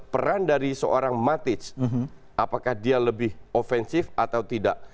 peran dari seorang matic apakah dia lebih offensif atau tidak